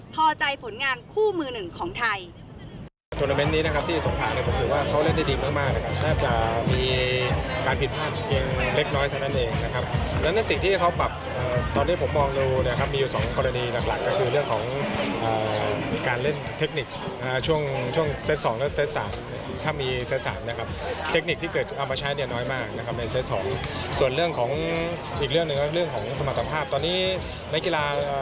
พอใจผลงานคู่มือหนึ่งของไทย